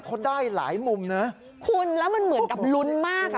เขาได้หลายมุมนะคุณแล้วมันเหมือนกับลุ้นมากอ่ะ